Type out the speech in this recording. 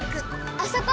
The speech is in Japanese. あそこ！